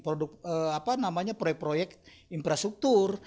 produk apa namanya proyek proyek infrastruktur